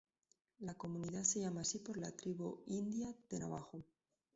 La comunidad se llama así por la Tribu India de Navajo.